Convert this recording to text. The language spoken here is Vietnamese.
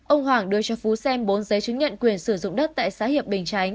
ông hoàng đưa cho phú xem bốn giấy chứng nhận quyền sử dụng đất tại xã hiệp bình chánh